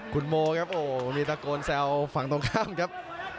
คุณโมครับโอ้โหนี่ตะโกนแซวฝั่งตรงข้ามครับ